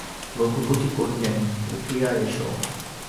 রঘুপতি কহিলেন, উঠিয়া এস।